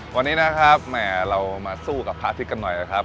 วันนี้นะครับแหมเรามาสู้กับพระอาทิตย์กันหน่อยนะครับ